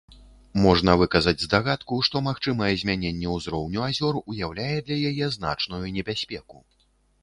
Можна выказаць здагадку, што магчымае змяненне ўзроўню азёр ўяўляе для яе значную небяспеку.